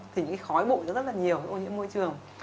thì những cái khói bụi rất là nhiều ô nhiễm môi trường